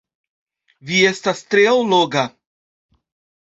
Vi estas tre alloga!